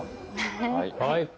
はい。